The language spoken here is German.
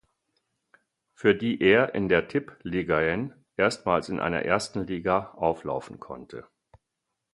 Für die er in der Tippeligaen erstmals in einer ersten Liga auflaufen konnte.